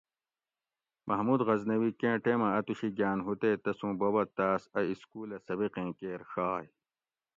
محمود غزنوی کیں ٹیمہ اتوشی گاۤن ھو تے تسوں بوبہ تاۤس اَ اِسکولۂ سبِقیں کیر ڛائ